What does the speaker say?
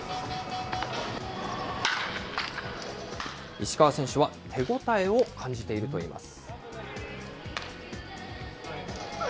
石川選手は手応えを感じているといいます。